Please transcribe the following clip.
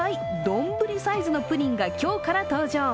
丼サイズのプリンが今日から登場。